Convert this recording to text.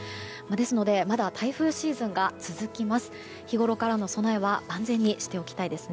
ですのでまだ台風シーズンが続きます。